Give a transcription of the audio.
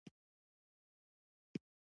ژوند یوه تجربه ده.